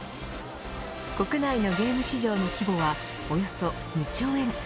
国内のゲーム市場の規模はおよそ２兆円。